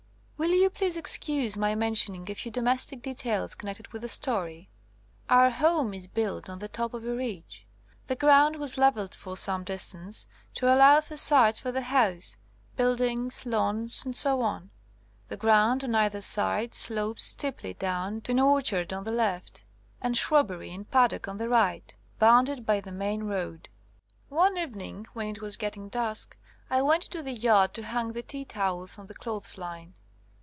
Will you please excuse my men* tioning a few domestic details connected with the story? Our home is built on the top of a ridge. The ground was levelled for some distance to allow for sites for the house, buildings, lawns, etc. The ground on either side slopes steeplj^ down to an orchard on the left, and shrubbery and paddock on the 157 THE COMING OF THE FAIRIES right, bounded by the main road. One eve ning when it was getting dusk I went into the yard to hang the tea towels on the clothes line.